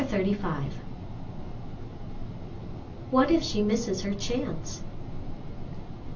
CHAPTER XXXV What if she misses her Chance?